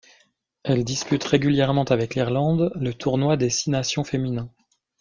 Elle dispute régulièrement avec l'Irlande le Tournoi des six nations féminin.